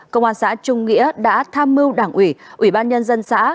công an xã trung nghĩa đã tham mưu đảng ủy ủy ban nhân dân xã